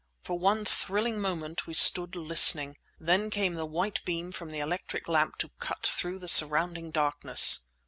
For one thrilling moment we stood listening. Then came the white beam from the electric lamp to cut through the surrounding blackness.